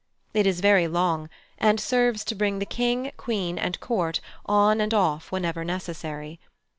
It is very long, and serves to bring the King, Queen, and court on and off whenever necessary.